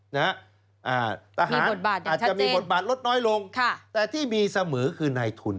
มีบทบาทอย่างชัดเจนอาจจะมีบทบาทลดน้อยลงแต่ที่มีเสมอคือในทุน